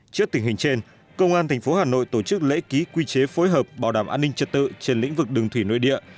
trước tình hình trên công an tp hà nội tổ chức lễ ký quy chế phối hợp bảo đảm an ninh trật tự trên lĩnh vực đường thủy nội địa